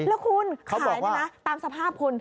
แล้วคุณขายตามสภาพคุณ